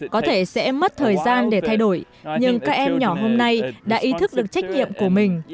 có thể sẽ mất thời gian để thay đổi nhưng các em nhỏ hôm nay đã ý thức được trách nhiệm của mình